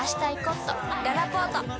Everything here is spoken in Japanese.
ららぽーと